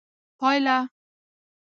پایله: